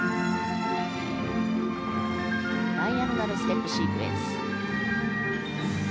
ダイアゴナルステップシークエンス。